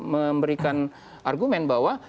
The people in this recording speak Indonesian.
memberikan argumen bahwa